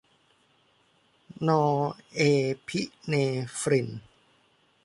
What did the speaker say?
นอร์เอพิเนฟริน